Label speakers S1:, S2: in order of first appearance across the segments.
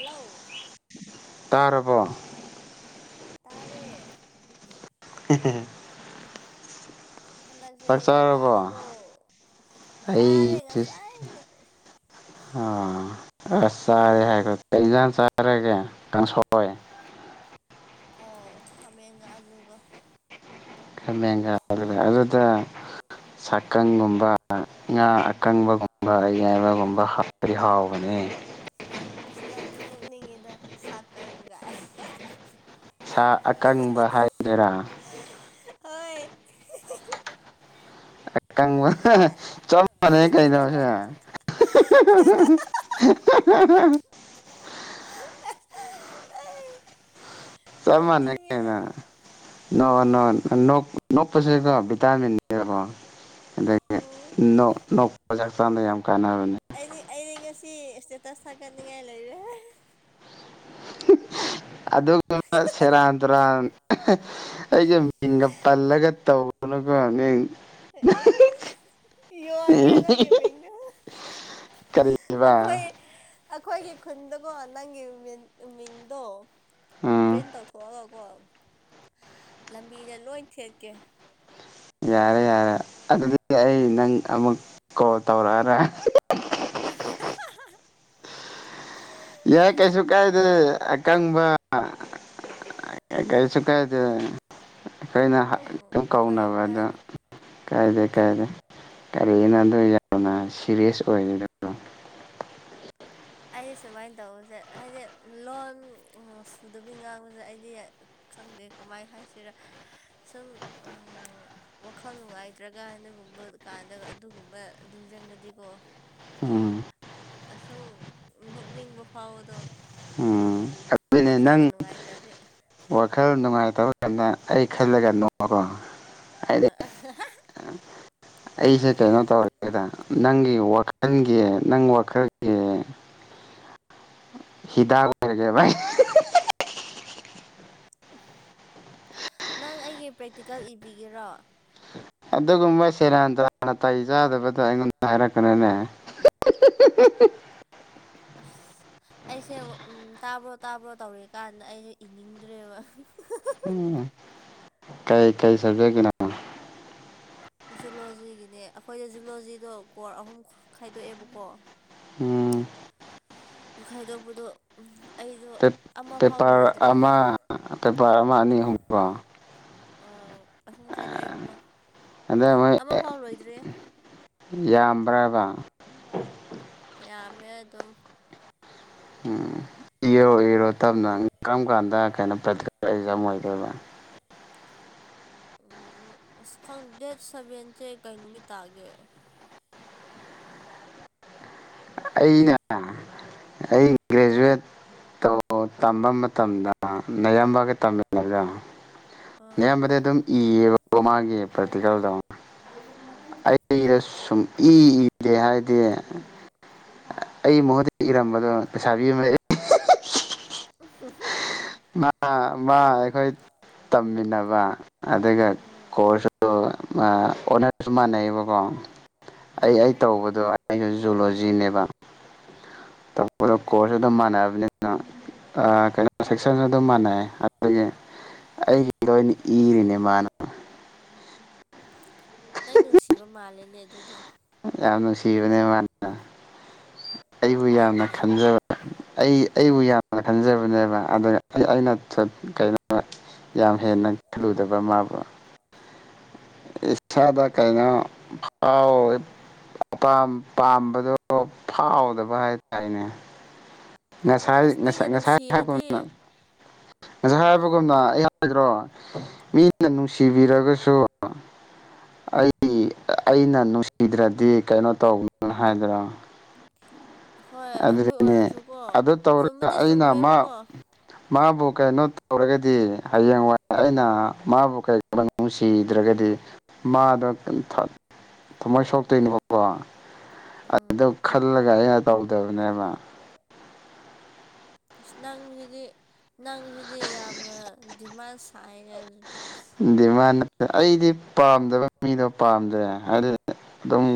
S1: hello
S2: ꯇꯔꯔꯕꯣ
S1: ꯇꯥꯔꯦ
S2: [unintelligible]
S1: ꯍꯟꯗꯛꯁꯦ ꯑꯩꯗꯤ ꯇꯥꯔꯕꯣ
S2: ꯑꯩ
S1: ꯆꯥꯔꯦ ꯉꯁꯥꯏꯅ
S2: ꯑ ꯑꯁ ꯆꯥꯔꯦ ꯍꯥꯏꯈ ꯀꯩ ꯏꯖꯥꯥꯟ ꯆꯥꯔꯒꯦ ꯀꯥꯡꯁꯣꯏ
S1: ꯑꯣ ꯈꯥꯃꯦꯟꯒ ꯑꯂꯨꯒ
S2: ꯃꯦꯒꯥ ꯑꯗꯨꯗ ꯁꯛꯀꯪꯒꯨꯝꯕ ꯉꯥ ꯑꯀꯪꯕꯒꯨꯝꯕ ꯑꯌꯥꯏꯕꯒꯨꯝꯕ ꯀ ꯍꯥꯎꯕꯅꯤ
S1: ꯑꯁ ꯅꯪꯁꯨ ꯅꯣꯛꯅꯤꯡꯉꯦꯗ
S2: ꯁꯥ ꯑꯀꯪꯕ ꯍꯥꯏꯒꯦꯔꯥ
S1: ꯍꯣꯏ
S2: ꯀꯪ ꯆ ꯃꯥꯅꯦ ꯀꯩꯅꯁ [unintelligible]
S1: [unintelligible] ꯑꯩ
S2: ꯆ ꯃꯥꯟꯅꯦ
S1: ꯅꯣꯛꯅꯤꯡꯉꯤꯗ
S2: ꯀꯅ ꯅ ꯅ ꯅꯣꯛꯄꯁꯤꯒ ꯚꯤꯇꯥꯃꯤꯟꯅꯅꯦꯕ ꯑꯗꯒꯤ
S1: ꯎꯝ
S2: ꯅ ꯅꯑꯣꯄ꯭ꯔꯖ ꯆꯗ ꯌꯥꯝ ꯀꯥꯅꯕꯅꯦ
S1: ꯁꯤ ꯏꯁꯇꯦꯇꯁ ꯊꯥꯒꯠꯅꯤꯡꯉꯥꯏ ꯂꯩꯔꯦ
S2: ꯑꯗꯨꯒ ꯁꯦꯔꯥꯟ ꯇꯨꯔꯥꯟ ꯑꯩꯒ ꯃꯤꯡꯒ ꯄꯜꯂꯒ ꯇꯧꯕ [unintelligible]
S1: ꯑꯦ ꯌꯣꯟꯒꯦ ꯅꯪꯒꯤ ꯃꯤꯡꯗꯅ
S2: ꯀꯔꯤꯕ
S1: ꯑꯩꯈꯣꯏ ꯑꯩꯈꯣꯏꯒꯤ ꯈꯨꯟꯗꯀꯣ ꯅꯪꯒꯤꯃꯤꯡꯗꯣ
S2: ꯎꯝ
S1: ꯄ꯭ꯔꯤꯟ ꯇꯧꯊꯣꯛꯑꯒ ꯀꯣ ꯂꯝꯕꯤꯗ ꯂꯣꯏ ꯊꯦꯠꯀꯦ
S2: ꯌꯥꯔꯦ ꯌꯥꯔꯦ ꯑꯗꯨꯗꯤ ꯑꯩ ꯅꯪ ꯑꯃꯨꯛ ꯀꯣꯜ ꯇꯧꯔꯛꯑꯔꯦ
S1: [unintelligible]
S2: ꯌꯥꯏ ꯀꯩꯁꯨ ꯀꯥꯏꯗꯦ ꯑꯀꯪꯕ ꯀꯩꯁꯨ ꯀꯥꯏꯗ ꯑꯩꯈꯣꯏꯅ
S1: ꯎꯝ
S2: ꯑꯗꯨ
S1: ꯍꯣꯏ
S2: ꯀꯧꯅꯕ ꯑꯗꯣ
S1: ꯀꯥꯏꯗꯦ
S2: ꯀꯥꯏꯗꯦ ꯀꯥꯏꯗꯦ ꯀꯔꯤꯅꯣ ꯑꯗꯨꯗꯣ ꯌꯥꯝꯅ ꯁꯤꯔꯤꯌꯁ ꯑꯣꯏꯗꯣ
S1: ꯑꯩ ꯁꯨꯃꯥꯏꯅ ꯇꯧꯕꯁꯦ ꯍꯥꯏꯗꯤ ꯂꯣꯟ ꯁꯨꯗꯕꯤ ꯉꯥꯡꯕꯁꯦ ꯑꯩꯗꯤ ꯈꯪꯗꯦ ꯀꯃꯥꯏ ꯍꯥꯏꯁꯤꯔꯥ ꯁꯨꯝ ꯋꯥꯈꯜ ꯅꯨꯡꯉꯥꯏꯇ꯭ꯔꯒꯅꯒꯨꯝꯕ ꯀꯥꯟꯗ ꯑꯗꯨꯒꯨꯝꯕ ꯅꯤꯡꯁꯤꯡꯉꯗꯤꯀꯣ
S2: ꯎꯝ
S1: ꯑꯁꯨꯝ ꯅꯣꯛꯅꯤꯡꯕ ꯐꯥꯎꯕꯗꯣ
S2: ꯎꯝ ꯑꯗꯨꯅꯦ ꯅꯪ
S1: ꯋꯥꯈꯜꯒ ꯅꯨꯡꯉꯥꯏꯇ꯭ꯔꯗꯤ
S2: ꯋꯥꯈꯜ ꯅꯨꯡꯉꯥꯏꯇꯧ ꯑꯩ ꯈꯜꯂꯒ ꯅꯣꯡꯃꯒꯣ
S1: ꯑ
S2: ꯑꯩꯁꯦ ꯀꯩꯅꯣ ꯇꯧꯔꯒꯦꯗ ꯅꯪꯒꯤ ꯋꯥꯈꯜꯒꯤ ꯅꯪ ꯋꯥꯈꯜꯒꯤ
S1: [inaudible]
S2: ꯍꯤꯗꯥꯥꯛ ꯊꯒꯦ ꯚꯥꯏ
S1: ꯅꯪ ꯑꯩꯒꯤ ꯄ꯭ꯔꯦꯛꯇꯤꯀꯦꯜ ꯏꯕꯤꯒꯦꯔꯣ
S2: ꯑꯗꯨꯒꯨꯝꯕ ꯁꯦꯔꯟ ꯇ ꯅꯥꯇꯩ ꯆꯥꯗꯕꯗꯣ ꯑꯩꯉꯣꯟꯗ ꯍꯥꯏꯔꯛꯀꯅꯤꯅꯦ ꯍꯍꯍꯍꯍꯍ
S1: ꯑꯁ ꯑꯩꯁꯦ ꯎ ꯇꯥꯕ꯭ꯔꯣ ꯇꯥꯕ꯭ꯔꯣ ꯇꯧꯔꯤꯛ ꯀꯥꯟꯗ ꯑꯩꯁꯨꯦ ꯏꯅꯤꯡꯗ꯭ꯔꯦꯕ
S2: ꯎꯝ ꯀꯩ ꯀꯥꯏ ꯁꯕꯖꯦꯛ
S1: ꯖꯨꯂꯣꯖꯤꯒꯤꯅꯦ ꯑꯩꯈꯣꯏꯗꯤ ꯖꯨꯂꯣꯖꯤꯗꯣ ꯀꯣꯔꯣꯔ ꯑꯍꯨꯝ ꯈꯥꯏꯗꯣꯛꯑꯦꯕꯀꯣ
S2: ꯎꯝ
S1: ꯈꯥꯏꯗꯣꯛꯄꯗꯣ ꯑꯩꯗꯣ ꯑꯃꯐꯥꯎ
S2: ꯄꯦꯄꯥꯔ
S1: ꯂꯣꯏꯗ꯭ꯔꯤ
S2: ꯑꯃ ꯄꯦꯄꯥꯔ ꯑꯃ ꯑꯅꯤ ꯑꯍꯨꯝꯕꯒꯣ
S1: ꯑꯍꯨꯝ ꯈꯥꯏꯗꯣꯛꯑꯦꯕꯀꯣ
S2: ꯑꯗꯩ ꯃꯣꯏ
S1: ꯑꯃꯐꯥꯎ ꯂꯣꯏꯗ꯭ꯔꯦ
S2: ꯇ ꯭ꯔꯕ
S1: ꯌꯥꯝꯃꯦ ꯑꯗꯨꯝ
S2: ꯎꯝ ꯏꯔꯣ ꯏꯔꯣ ꯇꯞꯅ ꯀꯔꯝ ꯀꯥꯟꯗ ꯀꯩꯅꯣ ꯄ ꯑꯩ ꯆꯝꯃꯣꯏꯗꯣꯏꯕ
S1: ꯎꯝ ꯈꯪ ꯗꯦꯠ ꯁꯕꯦ ꯀ ꯅꯨꯃꯤ ꯇꯥꯒꯦ
S2: ꯑꯩꯅ ꯑꯩ ꯒ꯭ꯔꯦꯖꯨꯋꯦꯠ ꯇꯝꯕ ꯃꯇꯝꯗ ꯅꯌꯥꯝꯕꯒ ꯇꯝꯃꯤꯂꯒ
S1: ꯑꯥ
S2: ꯑꯌꯥꯝꯕꯗꯤ ꯑꯗꯨꯝ ꯏꯌꯦꯕꯀꯣ ꯃꯥꯒꯤ ꯄ꯭ꯔꯇꯤꯀꯜꯗꯧ
S1: ꯑꯥ
S2: ꯑꯩꯗ ꯁꯨꯝ ꯏ ꯏꯗꯦ ꯍꯥꯏꯗꯤ ꯑꯩ ꯃꯍꯨꯠꯇ ꯏꯔꯝꯕꯗꯣ ꯄꯩꯁꯥ ꯄꯤꯕꯝ
S1: [unintelligible] [inaudible]
S2: ꯃꯥ ꯑꯩꯈꯣꯏ ꯇꯝꯃꯤꯟꯅꯕ ꯑꯗꯨꯒ
S1: ꯎꯝ
S2: ꯀꯣꯔꯁꯁꯨ ꯑꯣꯅꯔꯁꯨ ꯃꯥꯟꯅꯩꯑꯕꯀꯣ ꯑꯩ ꯑꯩ
S1: ꯎꯝ
S2: ꯇꯧꯕꯗꯣ ꯑꯩꯩꯅ ꯖꯨꯂꯣꯖꯤ ꯅꯦꯕ
S1: [unintelligible] [inaudible]
S2: ꯀꯣꯔꯁꯁꯨ ꯑꯗꯨꯝ ꯃꯥꯟꯅꯕꯅꯤꯅ ꯀꯩꯅꯣ ꯁꯦꯛꯁꯟꯁꯨ ꯑꯗꯨꯝ ꯃꯥꯟꯅꯩ ꯑꯗꯨꯗꯒꯤ ꯑꯩ ꯍꯔꯣꯏꯅ ꯏꯔꯤꯅꯦ ꯃꯥꯅ
S1: ꯅꯪ ꯅꯨꯡꯁꯤꯕ ꯃꯥꯜꯂꯦꯅꯦ ꯑꯗꯨꯗꯤ
S2: ꯌꯥꯝ ꯅꯨꯡꯁꯤꯕꯅꯦ ꯃꯥꯅ ꯑꯩꯕꯨ
S1: ꯌꯥꯝ
S2: ꯌꯥꯝꯅ
S1: ꯐꯩꯅꯦ
S2: ꯈꯟꯖꯕ ꯑꯩ ꯑꯩꯕꯨ ꯌꯥꯝꯅ ꯈꯟꯖꯕꯅꯦꯕ ꯑꯗꯨꯅ ꯑꯩꯅ ꯀꯩꯅꯣ ꯌꯥꯝ ꯍꯦꯟꯅ ꯈꯜꯂꯨꯗꯕ ꯃꯥꯕꯨ ꯏꯁꯥꯗ ꯀꯩꯅꯩꯅꯣ ꯐꯥꯎ ꯄꯥꯝꯕꯗꯣ ꯐꯥꯎꯗꯕ ꯍꯥꯏꯇꯥꯔꯦꯅꯦ ꯉꯁꯥꯏ
S1: ꯑꯁ ꯃꯤꯅ
S2: ꯉꯁꯥꯏ ꯉꯁꯥꯏ
S1: ꯅꯨꯡꯁꯤꯔꯗꯤ
S2: ꯍꯥꯏꯕꯒꯅ ꯉꯁꯥꯏ ꯍꯥꯏꯕꯒꯨꯝꯅ ꯑ ꯍꯥꯏ꯭ꯔꯣ ꯃꯤꯅ ꯅꯨꯡꯁꯤꯕꯤꯔꯒꯁꯨ ꯑꯩ ꯑꯩꯅ ꯅꯨꯡꯁꯤꯗ꯭ꯔꯗꯤ ꯀꯩꯅꯣ ꯇꯧꯅꯨ ꯍꯥꯏꯗ꯭ꯔ
S1: ꯍꯣꯏ ꯑꯗꯨ
S2: ꯑꯗꯨꯗꯤꯅꯦ
S1: ꯑꯣꯏꯔꯁꯨꯀꯣ
S2: ꯑꯗꯨ ꯇꯧꯔꯒ
S1: ꯆꯨꯝꯕꯗꯤ
S2: ꯑꯩꯅ ꯃꯥ
S1: ꯆꯨꯝꯃꯦꯕꯀꯣ
S2: ꯃꯥꯕꯨ ꯀꯩꯅꯣ ꯇꯧꯔꯒꯗꯤ ꯍꯌꯦꯡꯋꯥꯏ ꯑꯩꯅ ꯃꯥꯕꯨ ꯀꯩꯒꯨꯝꯕ ꯅꯨꯡꯁꯤꯗ꯭ꯔꯒꯗꯤ ꯃꯥ ꯗꯨ ꯊ ꯊꯃꯣꯏ ꯁꯣꯛꯇꯣꯏꯅꯦꯕꯀꯣ
S1: ꯎꯝ
S2: ꯑꯗꯨ ꯈꯜꯂꯒ ꯑꯩꯅ ꯇꯧꯗꯕꯅꯦꯕ
S1: ꯑꯁ ꯅꯪꯁꯤꯗꯤ ꯅꯪꯁꯤꯗꯤ ꯌꯥꯝꯅ ꯗꯤꯃꯥꯟ ꯁꯥꯏꯔꯦ ꯑꯗꯨꯗꯤ ꯑꯁ
S2: ꯗꯤꯃꯥꯟ ꯑꯩꯗꯤ ꯄꯥꯝꯗꯕ ꯃꯤꯗꯣ ꯄꯥꯝꯗ꯭ꯔꯦ ꯍꯥꯏꯗꯤ ꯑꯗꯨꯝ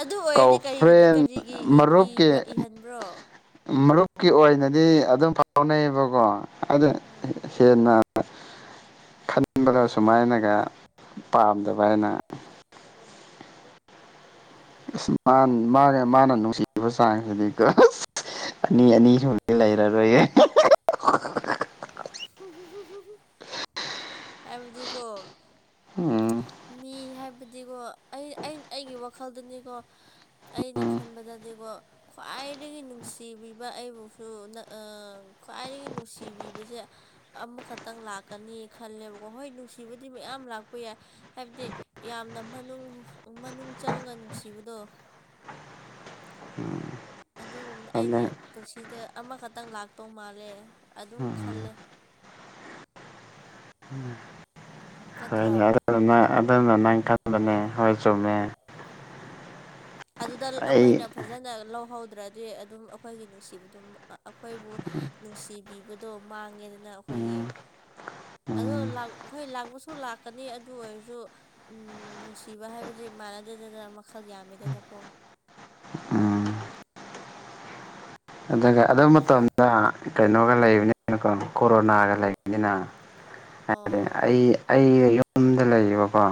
S1: ꯑꯗꯨ ꯑꯣꯏꯔꯗꯤ
S2: ꯀꯧ
S1: ꯀꯔꯤ
S2: ꯐ꯭ꯔꯦꯟ
S1: ꯀꯔꯤꯒꯤ ꯏ
S2: ꯃꯔꯨꯞꯀꯤ
S1: ꯏꯕ꯭ꯔ ꯏꯍꯟꯕ꯭ꯔꯣ
S2: ꯖꯤꯛꯀꯤ ꯑꯣꯏꯅꯗꯤ ꯑꯗꯨꯝ ꯐꯥꯎꯅꯩꯌꯦꯕꯀꯣ ꯑꯗꯣ
S1: ꯎꯝ
S2: ꯍꯦꯟꯅ ꯈꯟ ꯈꯟꯕꯗ ꯁꯨꯃꯥꯏꯅꯒ ꯄꯥꯝꯗꯕ ꯑꯩꯅ ꯑꯁ ꯃꯥ ꯃꯥꯒ ꯃꯥꯅ ꯅꯨꯡꯁꯤꯕ ꯆꯥꯡꯁꯤꯗꯤꯀꯣ ꯑꯁ ꯑꯅꯤ ꯑꯅꯤ ꯁꯨꯅꯗꯤ ꯂꯩꯔꯔꯣꯏꯌꯦ
S1: ꯍꯥꯏꯕꯗꯤꯀꯣ
S2: ꯎꯝ
S1: ꯃꯤ ꯍꯥꯏꯕ ꯗꯤꯀꯣ ꯑꯩ ꯑꯩꯟ ꯑꯩꯒꯤ ꯋꯥꯈꯜꯗꯅꯤꯀꯣ ꯑꯩꯅ
S2: ꯎꯝ
S1: ꯈꯟꯕꯗꯗꯤꯒꯣ ꯈ꯭ꯋꯥꯏꯗꯒꯤ ꯅꯨꯡꯁꯤꯕꯤꯕ ꯑꯩꯕꯨꯁꯨ ꯅ ꯑꯥ ꯈ꯭ꯋꯥꯏꯗꯒꯤ ꯅꯨꯡꯁꯤꯕꯤꯕꯖꯦ ꯑꯃꯈꯛꯇꯪ ꯂꯥꯛꯀꯅꯤ ꯈꯜꯂꯦꯕꯀꯣ ꯍꯣꯏ ꯅꯨꯡꯁꯤꯕꯗꯤ ꯃꯌꯥꯝ ꯂꯥꯛꯄ ꯌꯥꯏ ꯍꯥꯏꯕꯗꯤ ꯌꯥꯝꯅ ꯃꯅꯨꯡ ꯃꯅꯨꯡ ꯆꯪꯉꯒ ꯅꯨꯡꯁꯤꯕꯗꯣ ꯑꯗꯨꯒꯨꯝꯕꯅ
S2: ꯑꯗꯨ
S1: ꯑꯩꯗꯤ ꯄꯨꯟꯁꯤꯗ ꯑꯃꯈꯛꯇꯪ ꯂꯥꯛꯇꯧ ꯃꯥꯜꯂꯦ ꯑꯗꯨꯝ
S2: ꯎꯝ
S1: ꯈꯜꯂꯦ ꯅꯠꯇ꯭ꯔꯣ
S2: ꯍꯣꯏꯅꯦ ꯑꯗꯨꯅ ꯅꯪ ꯑꯗꯨꯅ ꯅꯪ ꯈꯟꯕꯅꯦ ꯍꯣꯏ ꯆꯨꯝꯃꯦ
S1: ꯑꯗꯨꯗ
S2: ꯑꯩ
S1: ꯑꯩꯈꯣꯏꯅ ꯐꯖꯅ ꯂꯧꯍꯧ ꯗ꯭ꯔꯗꯤ ꯑꯗꯨꯝ ꯑꯩꯈꯣꯏꯒꯤ ꯅꯨꯡꯁꯤꯕꯗꯨ ꯑꯩꯈꯣꯏꯕꯨ ꯅꯨꯡꯁꯤꯕꯤꯕꯗꯣ ꯃꯥꯡꯉꯦꯗꯅ ꯑꯈꯣ ꯈꯣꯏꯒꯤ
S2: ꯎꯝ
S1: ꯑꯗꯣ
S2: ꯎꯝ
S1: ꯂꯥꯛ ꯍꯣꯏ ꯂꯥꯛꯄꯁꯨ ꯂꯥꯛꯀꯅꯤ ꯑꯗꯨ ꯑꯣꯏꯔꯖꯨ ꯎꯝ ꯅꯨꯡꯁꯤꯕ ꯍꯥꯏꯕꯖꯤ ꯃꯥꯟꯅꯗꯦꯗꯅ ꯃꯈꯜ ꯌꯥꯝꯃꯦꯗꯅꯀꯣ
S2: ꯎꯝ ꯑꯗꯨꯒ ꯑꯗꯨ ꯃꯇꯝꯗ ꯀꯩꯅꯣꯒ ꯂꯩꯕꯅꯤꯅꯀꯣ ꯀꯣꯔꯣꯅꯥꯒ ꯂꯩꯕꯅꯤꯅ ꯍꯥꯏꯗꯤ
S1: ꯑꯣ
S2: ꯑꯩ ꯑꯩ ꯌꯨꯝꯗ ꯂꯩꯌꯦꯕꯀꯣ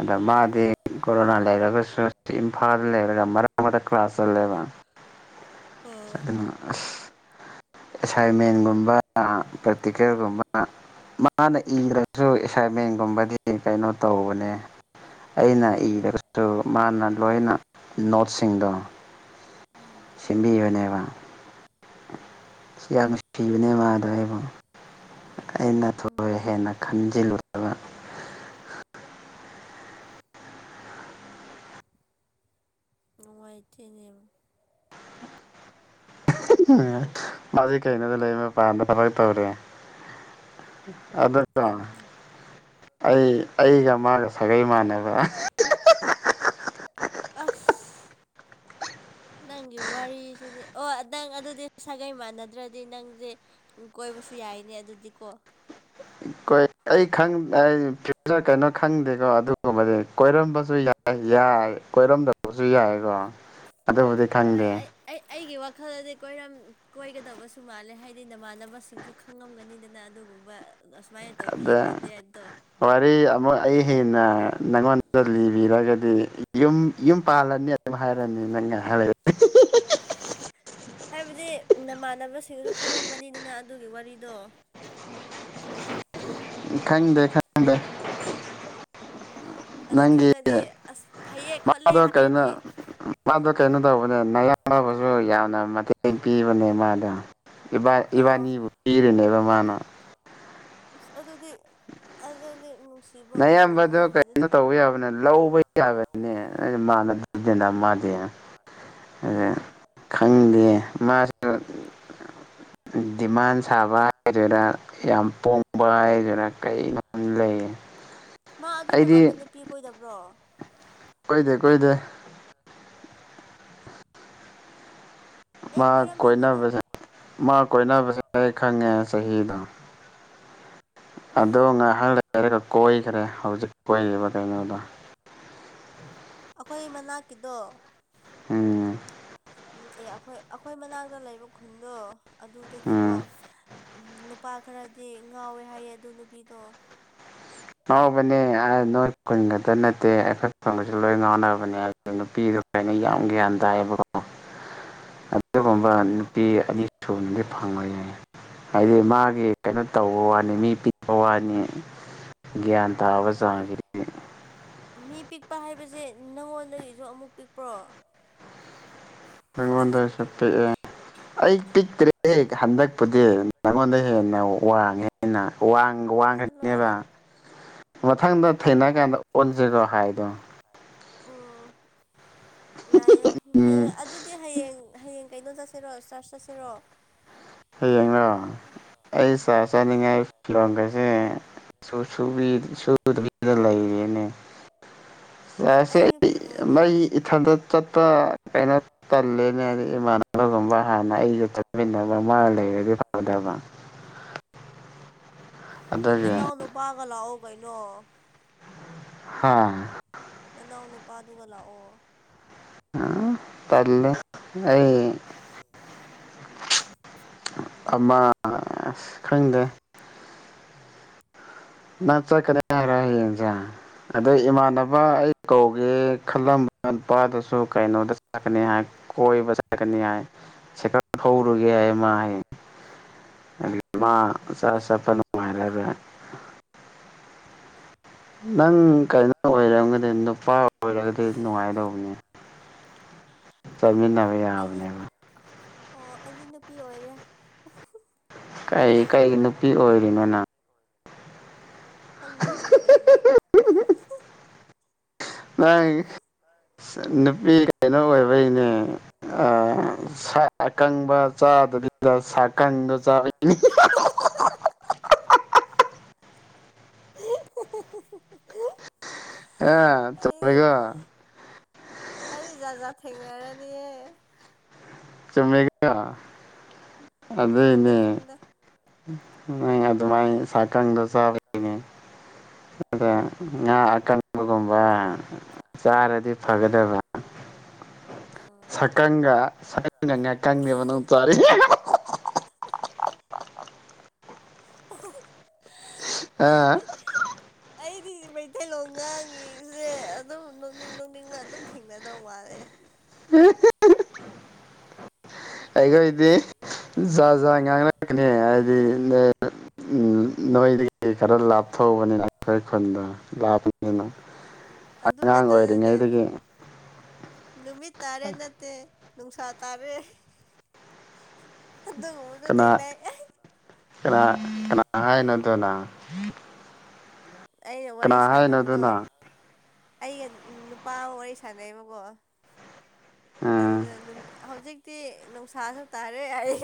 S2: ꯑꯗ
S1: ꯎꯝ
S2: ꯃꯥꯗꯤ ꯀꯣꯔꯣꯅꯥ ꯂꯩꯔꯒꯁꯨ ꯏꯝꯐꯥꯜꯗ ꯂꯩꯔꯒ ꯃꯔꯛ ꯃꯔꯛ ꯀ꯭ꯂꯥꯁ ꯆꯠꯂꯦꯕ
S1: ꯑꯣ
S2: ꯑꯗꯨꯅ ꯑꯁ
S1: [inaudible]
S2: ꯑꯦꯁꯥꯏꯟꯃꯦꯟꯒꯨꯝꯕ ꯄ꯭ꯔꯦꯛꯇꯤꯀꯦꯜꯒꯨꯝꯕ ꯃꯥꯅ ꯏꯒ꯭ꯔꯖꯨ ꯑꯦꯁꯥꯏꯟꯃꯦꯟꯒꯨꯝꯕꯗꯤ ꯀꯩꯅꯣ ꯇꯧꯕꯅꯦ ꯑꯩꯅ ꯏꯔꯒꯁꯨ ꯃꯥꯅ ꯂꯣꯏꯅ ꯅꯣꯠꯁꯤꯡꯗꯣ
S1: ꯎꯝ
S2: ꯁꯤꯟꯕꯤꯕꯅꯦꯕ ꯁꯤ ꯌꯥꯝ ꯅꯨꯡꯁꯤꯕꯅꯦ ꯃꯥꯗꯣ ꯑꯩꯕꯨ ꯑꯩꯅ ꯊꯣꯏ
S1: ꯎꯝ
S2: ꯍꯦꯟꯅ ꯈꯟꯖꯤꯜꯂꯨ [unintelligible]
S1: ꯅꯨꯡꯉꯥꯏꯇꯦꯅꯦ
S2: ꯃꯥꯗꯤ ꯀꯩꯅꯣꯗ ꯂꯩ ꯃꯄꯥꯜꯗ ꯊꯕꯛ ꯇꯧꯔꯦ ꯑꯗꯨꯗꯣ
S1: ꯎꯝ
S2: ꯑꯩ ꯑꯩꯒ
S1: ꯎꯝ
S2: ꯃꯥꯒ ꯁꯥꯒꯩ ꯃꯥꯟꯅꯕ
S1: ꯑꯁ ꯅꯪꯒꯤ ꯋꯥꯔꯤꯁꯤꯗꯤ ꯑꯣ ꯅꯪ ꯑꯗꯨꯗꯤ ꯁꯥꯒꯩ ꯃꯥꯟꯅꯗ꯭ꯔꯗꯤ ꯅꯪꯖꯦ ꯀꯣꯏꯕꯁꯨ ꯌꯥꯏꯅꯦ ꯑꯗꯨꯗꯤꯀꯣ
S2: ꯀꯣꯏ ꯑꯩ ꯈꯪ ꯑꯩ ꯐ꯭ꯌꯨꯆꯔ ꯀꯩꯅꯣ ꯈꯪꯗꯦꯀꯣ ꯑꯗꯨꯒꯨꯝꯕꯗꯤ ꯀꯣꯏꯔꯝꯕꯁꯨ ꯌꯥꯏ ꯌꯥꯏ ꯀꯣꯏꯔꯝꯗꯕꯁꯨ ꯌꯥꯏꯀꯣ ꯑꯗꯨꯕꯨꯗꯤ ꯈꯪꯗꯦ
S1: ꯈꯜꯂꯗꯤ ꯀꯣꯏꯔꯝ ꯀꯣꯏꯒꯗꯕꯁꯨ ꯃꯥꯜꯂꯦ ꯍꯥꯏꯗꯤ ꯅꯃꯥꯟꯅꯕꯁꯤꯡꯁꯨ ꯈꯪꯉꯝꯒꯅꯤꯗꯅ ꯑꯗꯨꯒꯨꯝꯕ ꯑꯁꯨꯃꯥꯏꯅ ꯇꯧꯕꯤꯌꯦ
S2: ꯑꯗ
S1: ꯈꯣꯠꯂꯦ ꯑꯗꯣ
S2: ꯋꯥꯔꯤ ꯑꯃꯨꯛ ꯑꯩ ꯍꯦꯟꯅ ꯅꯪꯉꯣꯟ ꯗ ꯂꯤꯕꯤꯔꯒꯗꯤ ꯌꯨꯝ ꯌꯨꯝ ꯄꯥꯜꯂꯅꯤ ꯑꯗꯨꯝ ꯍꯥꯏꯔꯅꯤ ꯅꯪ ꯉꯥꯏꯍ ꯂꯩ ꯀꯠ
S1: ꯍꯥꯏꯕꯗꯤ ꯅꯃꯥꯟꯅꯕꯁꯤꯡ ꯑꯗꯨ ꯈꯪꯉꯝꯒꯅꯤꯗꯅ ꯑꯗꯨꯒꯤ ꯋꯥꯔꯤꯗꯣ
S2: ꯈꯪꯗꯦ ꯈꯪꯗꯦ
S1: ꯑꯗꯨ
S2: ꯅꯪꯒꯤ
S1: ꯈꯪꯉꯗꯤ ꯑꯁ ꯐꯩꯌꯦ ꯈꯣꯠꯂꯦ
S2: ꯃꯥꯗꯣ
S1: ꯍꯥꯏꯔꯗꯤ
S2: ꯀꯩꯅꯣ ꯃꯥꯗꯣ ꯀꯩꯅꯣ ꯇꯧꯕꯅꯦ ꯅꯌꯥꯕꯁꯨ ꯌꯥꯝꯅ ꯃꯇꯦꯡ ꯄꯤꯕꯅꯦ ꯃꯥꯗ [unintelligible]
S1: ꯑꯣ
S2: ꯏꯕꯥꯅꯤꯕꯨ ꯄꯤꯔꯤꯅꯦꯕ ꯃꯥꯅ
S1: ꯑꯗꯨꯗꯤ ꯑꯗꯨꯗꯤ ꯅꯨꯡꯁꯤꯕ
S2: ꯑꯌꯥꯝꯕꯗꯣ
S1: ꯑꯣꯏꯔꯝꯃꯣꯏꯍꯦ
S2: ꯀꯩꯅꯣ
S1: ꯑꯗꯨꯗꯤ
S2: ꯇꯧꯕ ꯌꯥꯕꯅꯦ ꯂꯧꯕ ꯌꯥꯕꯅꯦ ꯃꯅꯖꯅ ꯃꯥꯗ ꯑ
S1: ꯑꯣ
S2: ꯈꯪꯗꯦ ꯃꯥ
S1: [unintelligible]
S2: ꯗꯤꯃꯥꯟ ꯁꯥꯕ ꯍꯥꯏꯗꯨꯔ ꯌꯥꯝ ꯄꯣꯡꯕ ꯍꯥꯏꯗꯨꯔ ꯀꯩꯅꯣꯝ ꯂꯩꯌꯦ
S1: ꯃꯥ ꯑꯗꯨ ꯃꯇꯝꯗ ꯅꯨꯄꯤ ꯀꯣꯏꯗꯕ꯭ꯔꯣ
S2: ꯀꯗꯦ ꯀꯣꯏꯗꯦ
S1: ꯑꯦ
S2: ꯃꯥ
S1: ꯀꯣꯏꯔꯝꯖꯅꯤꯗ
S2: ꯀꯣꯏꯅꯕꯁꯦ ꯃꯥ ꯀꯣꯏꯅꯕꯁꯦ ꯑꯩ ꯈꯪꯉꯦ ꯆꯍꯤꯗꯣ ꯑꯗꯣ ꯉꯥꯏꯍꯥꯛ ꯂꯩꯔꯒ ꯀꯣꯏꯈ꯭ꯔꯦ ꯍꯧꯖꯤꯛ ꯀꯣꯏꯔꯤꯕ ꯀꯩꯅꯣꯗꯣ [unintelligible]
S1: ꯑꯩꯈꯣꯏ ꯃꯅꯥꯛꯀꯤꯗꯣ
S2: ꯎꯝ
S1: ꯑꯦ ꯑꯩꯈꯣꯏ ꯑꯩꯈꯣꯏ ꯃꯅꯥꯛꯇ ꯂꯩꯕ ꯈꯨꯟꯗꯣ ꯑꯗꯨꯗꯒꯤꯀꯣ
S2: ꯎꯝ
S1: ꯎꯝ ꯅꯨꯄꯥ ꯈꯔꯗꯤ ꯉꯥꯎꯋꯦ ꯍꯥꯏꯌꯦ ꯑꯗꯨ ꯅꯨꯄꯤꯗꯣ
S2: ꯉꯥꯎꯕꯅꯦ ꯅꯣꯏ ꯀꯨꯟꯒꯗ ꯅꯠꯇꯦ ꯑꯩꯐ ꯐꯪꯒꯁꯨ ꯂꯣꯏ ꯉꯥꯎꯅꯕꯅꯦ ꯅꯨꯄꯤꯗ ꯌꯥꯝ ꯒ꯭ꯌꯥꯟ ꯇꯥꯏꯌꯦꯕꯀꯣ
S1: [unintelligible]
S2: ꯑꯗꯨꯒꯨꯝꯕ
S1: ꯎꯝ
S2: ꯅꯨꯄꯤ ꯑꯅꯤ ꯁꯨꯕꯅꯗꯤ ꯐꯪꯕ ꯌꯥꯏ ꯍꯥꯏꯗꯤ ꯃꯥꯒꯤ ꯀꯩꯅꯣ ꯇꯧꯕ ꯋꯥꯅꯤ ꯃꯤ ꯄꯤꯕ ꯋꯥꯅꯤ ꯒ꯭ꯌꯥꯟ ꯇꯥꯕ ꯆꯥꯈꯤ
S1: ꯃꯤ ꯄꯤꯛꯄ ꯍꯥꯏꯕꯁꯦ ꯅꯪꯉꯣꯟꯗꯒꯤꯁꯨ ꯑꯃꯨꯛ ꯄꯤꯛꯄ꯭ꯔꯣ
S2: ꯑꯩꯉꯣꯟꯗꯁꯨ ꯄꯤꯛꯑꯦ
S1: [unintelligible]
S2: ꯑꯩ ꯄꯤꯛꯇ꯭ꯔꯦ ꯍꯟꯗꯛꯄꯨꯗꯤ ꯅꯪꯉꯣꯟꯗ ꯍꯦꯟꯅ ꯋꯥꯡꯉꯦꯅ ꯋꯥꯡꯈꯅꯤꯅꯦꯕ
S1: ꯆꯠꯂꯣꯅ
S2: ꯃꯊꯪꯗ ꯊꯦꯡꯅꯔ ꯀꯥꯟꯗ ꯑꯣꯟꯁꯤꯔꯣ ꯍꯥꯏꯗꯣ
S1: ꯌꯥꯑꯌꯦ
S2: ꯎꯝ
S1: ꯑꯗꯨꯗꯤ ꯍꯌꯦꯡ ꯍꯌꯦꯡ ꯀꯩꯅꯣ ꯆꯠꯁꯤꯔꯣ ꯆꯔꯆ ꯆꯠꯁꯤꯔꯣ
S2: ꯍꯌꯦꯡ ꯑꯩ ꯁꯥ
S1: ꯑꯣ
S2: ꯆꯥꯅꯤꯡꯉꯥꯏ ꯂꯣꯡꯒꯁꯦꯗ ꯂꯩꯔꯤꯅꯦ ꯑ ꯁꯦ
S1: ꯑꯩꯒꯤ ꯐꯤꯔꯣꯜꯗꯤ
S2: ꯃꯩ
S1: ꯂꯩꯇꯦ
S2: ꯏꯊꯟꯇ ꯆꯠꯄ ꯀꯩꯅꯣ ꯇꯜꯂꯦꯅꯦ ꯏꯃꯥꯟꯅꯕꯒꯨꯝꯕ ꯍꯥꯟ ꯑꯩꯒ ꯆꯠꯃꯤꯟꯅꯕ ꯃꯥ ꯂꯩꯔꯗꯤ ꯐꯗꯕ
S1: ꯀꯩꯅ ꯅ ꯅꯅꯥꯎꯅꯨ ꯄꯥꯒ ꯂꯥꯛꯑꯣ ꯀꯩꯅꯣ
S2: ꯍꯥꯥ
S1: ꯏꯅꯥꯎ ꯅꯨꯄꯥꯗꯨꯒ ꯂꯥꯛꯑꯣ
S2: ꯇꯜꯂꯦ ꯑꯩ ꯑꯃ ꯈꯪꯗꯦ ꯅ ꯆ ꯀꯗꯥ ꯍꯥꯏꯔ ꯍꯥꯌꯦꯖ ꯑꯗꯩ ꯏꯃꯥꯟꯅꯕ ꯑꯩ ꯀꯧꯒꯦ ꯈꯜꯂꯝꯕ ꯅꯨꯄꯥꯗꯨꯁꯨ ꯀꯩꯅꯣꯗ ꯆꯀꯅꯤ ꯍꯥꯏ ꯀꯣꯏꯕ ꯆꯠꯀꯅꯤ ꯍꯥꯏ ꯁꯀꯔ ꯍꯧꯔꯨꯒꯦ ꯍꯥꯏ ꯃꯥ ꯍꯌꯦꯡ [unintelligible] ꯆꯄ ꯅꯨꯡꯔ ꯅꯪ ꯀꯩꯅꯣ ꯑꯣꯏꯔꯝꯒꯗꯤ ꯅꯨꯄꯥ ꯑꯣꯏꯔꯒꯗꯤ ꯅꯨꯡꯉꯥꯏꯗꯧꯕꯅꯦ ꯆꯠꯃꯤꯟꯅꯕ
S1: ꯑꯩꯗꯤ
S2: ꯌꯥꯕꯅꯦꯕ
S1: ꯑꯣ ꯑꯩꯗꯤ ꯅꯨꯄꯤ ꯑꯣꯏꯔꯦ
S2: ꯀꯩ ꯀꯩ ꯅꯨꯄꯤ ꯑꯣꯏꯔꯤꯅꯣ ꯅꯪ
S1: ꯈꯪꯗꯦꯅꯦ ꯑꯩꯁꯨ
S2: ꯅꯪ ꯅꯨꯄꯤ ꯀꯩꯅꯣ ꯑꯣꯏꯕꯩꯅꯦ ꯑ ꯁꯥ ꯑꯀꯪꯕ ꯆꯥꯗꯕꯤꯗ ꯆꯥꯀꯡꯗꯣ ꯆꯥꯕꯩ [inaudible] ꯑ
S1: ꯑꯩ
S2: ꯆꯨꯝꯃꯦꯀꯣ
S1: ꯑꯩꯗꯤ ꯖꯥꯠ ꯖꯥꯠ ꯊꯦꯡꯅꯔꯅꯤꯌꯦ
S2: ꯆꯨꯝꯃꯦꯀꯣ
S1: ꯆꯨꯝꯗꯦ
S2: ꯑꯗꯨꯏꯅꯦ
S1: ꯆꯨꯝꯗꯦ
S2: ꯅ ꯑꯗꯨꯃꯥꯏꯅ ꯁꯥꯀꯪꯗꯣ ꯆꯥꯕꯒꯤꯅꯦ ꯑꯗ ꯉꯥ ꯑꯀꯪꯕꯒꯨꯝꯕ ꯆꯥꯔꯗꯤ ꯐꯒꯗꯕ
S1: ꯎꯝ
S2: ꯁꯥꯀꯪꯒ ꯁꯥꯀꯪꯒ ꯉꯥꯀꯪꯒꯅꯦꯕ ꯅꯪꯅ ꯆꯥꯔꯤꯁꯦ
S1: [inaudible] ꯑꯩꯗꯤ ꯑꯩ ꯗꯤ ꯃꯩꯇꯩꯂꯣꯟ ꯉꯥꯡꯉꯤꯁꯦ ꯑꯗꯨꯝ ꯅꯣꯛꯅꯤꯡ ꯅꯣꯛꯅꯤꯡꯅ ꯑꯗꯨꯝ ꯊꯦꯡꯅꯗꯧ ꯃꯥꯜꯂꯦ
S2: [inaudible] ꯑꯩꯈꯣꯏꯗꯤ ꯖꯥꯠ ꯖꯥꯠ ꯉꯥꯡꯅꯔꯛꯀꯅꯤ ꯍꯥꯏꯗꯤ ꯅꯣꯏꯗꯒꯤ ꯈꯔ ꯂꯥꯞꯊꯣꯛꯑꯕꯅꯤꯅ ꯑꯩꯈꯣꯏ ꯈꯨꯟꯗꯣ ꯂꯥꯞꯄꯅꯤꯗꯅ
S1: ꯑꯗꯨꯒ ꯈꯛꯇ ꯅꯠꯅꯦ ꯅꯨꯃꯤꯠ ꯇꯥꯔꯦ ꯅꯠꯇꯦ ꯅꯨꯡꯁꯥ ꯇꯥꯔꯦ ꯑꯗꯨꯒꯨꯝꯕꯁꯨ ꯊꯦꯡꯅꯩ
S2: ꯀꯅꯥꯅ ꯍꯥꯏꯅꯣ ꯑꯗꯨꯅ
S1: ꯑꯩꯅ ꯋꯥꯔꯤ ꯁꯥꯟꯅꯕꯗꯣ ꯑꯩꯒ ꯅꯨꯄꯥ ꯑꯃ ꯋꯥꯔꯤ ꯁꯥꯟꯅꯩꯕꯀꯣ
S2: ꯎꯝ
S1: ꯑꯗꯨꯗ ꯑꯗꯨꯝ ꯍꯧꯖꯤꯛ ꯤ ꯅꯨꯡꯁꯥꯁꯨ ꯇꯥꯔꯦ ꯍꯥꯏꯌꯦ